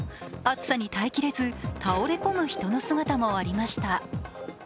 暑さに耐えきれず倒れ込む人の姿もありました。